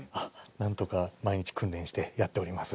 なんとか毎日訓練してやっております。